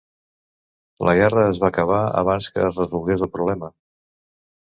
La guerra es va acabar abans que es resolgués el problema.